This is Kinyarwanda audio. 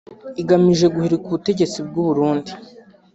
igamije guhirika ubutegetsi bw’u Burundi